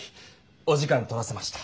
お時間取らせました。